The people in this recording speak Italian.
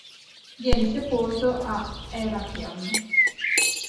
Viene sepolto a Heraklion.